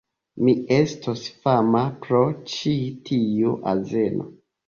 Mi estos fama pro ĉi tiu azeno!